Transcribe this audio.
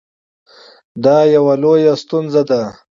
دا یوه لویه ستونزه ده